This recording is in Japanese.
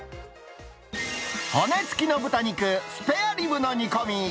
骨付きの豚肉、スペアリブの煮込み。